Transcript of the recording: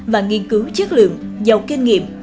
và nghiên cứu chất lượng giàu kinh nghiệm